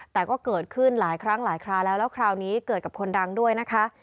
แต่ก็เกิดขึ้นหลายครั้งหลายคราแล้วแล้วคราวนี้เกิดกับคนดังด้วยนะคะ